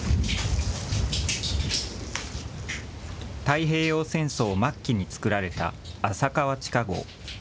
太平洋戦争末期に作られた浅川地下壕。